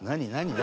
何？